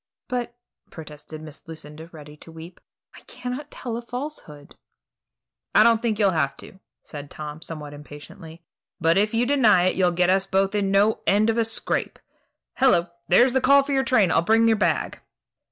"But," protested Miss Lucinda, ready to weep, "I cannot tell a falsehood." "I don't think you'll have to," said Tom, somewhat impatiently; "but if you deny it, you'll get us both into no end of a scrape. Hello! there's the call for your train. I'll bring your bag."